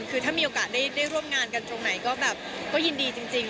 คือถ้ามีโอกาสได้ร่วมงานกันตรงไหนก็แบบก็ยินดีจริง